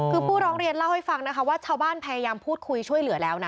คือผู้ร้องเรียนเล่าให้ฟังนะคะว่าชาวบ้านพยายามพูดคุยช่วยเหลือแล้วนะ